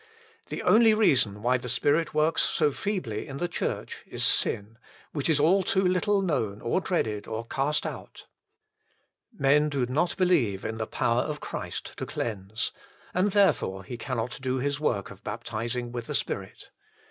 The only reason why the Spirit works so feebly in the Church is sin, which is all too little known or dreaded or cast out. Men do not believe in the power of Christ to cleanse ; and therefore He cannot do His work of baptizing with the Spirit.